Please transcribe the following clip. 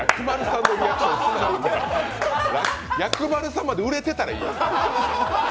薬丸さんまで売れてたらいいよ。